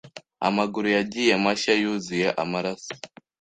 Amaguru yagiye mashya yuzuye amaraso